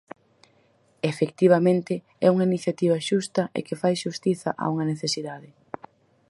Efectivamente, é unha iniciativa xusta e que fai xustiza a unha necesidade.